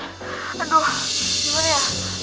aduh gimana ya